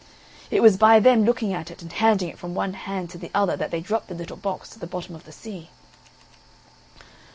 (It was by them looking at it and handing it from one hand to the other that they dropped the little box to the bottom of the sea.)